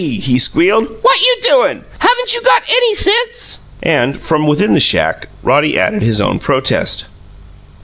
he squealed. "What you doin'? Haven't you got any SENSE?" And, from within the shack, Roddy added his own protest.